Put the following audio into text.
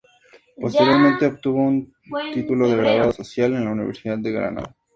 Posteriormente obtuvo un título de graduado social en la Universidad de Granada.